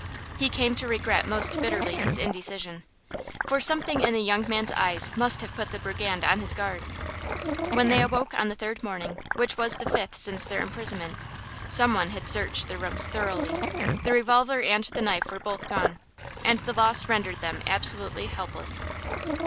He came to regret most bitterly his indecision; for something in the young man's eyes must have put the brigand on his guard. When they awoke on the third morning, which was the fifth since their imprisonment, some one had searched their rooms thoroughly. The revolver and the knife were both gone, and the loss rendered them absolutely helpless.